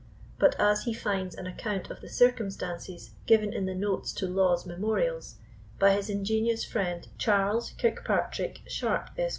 But as he finds an account of the circumstances given in the Notes to Law's Memorials, by his ingenious friend, Charles Kirkpatrick Sharpe, Esq.